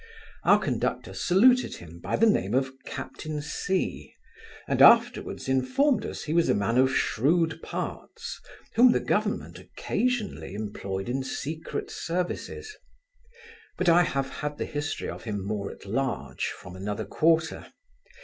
Our conductor saluted him, by the name of captain C , and afterwards informed us he was a man of shrewd parts, whom the government occasionally employed in secret services. But I have had the history of him more at large, from another quarter.